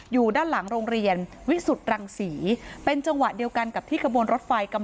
อยู่ด้านหลังโรงเรียนวิสุทธิ์รังศรีเป็นจังหวะเดียวกันกับที่ขบวนรถไฟกำ